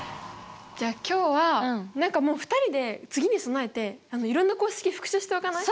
じゃあ今日は何かもう２人で次に備えていろんな公式復習しておかない？